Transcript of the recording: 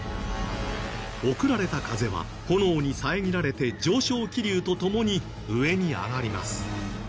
送られた風は炎に遮られて上昇気流とともに上に上がります。